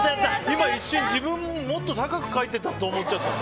今、一瞬、もっと高く書いてると思っちゃった。